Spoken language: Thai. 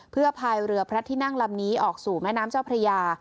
เพื่อพายเรือพระที่นั่งลำนี้ออกสู่แม่น้ำเจ้าพระยา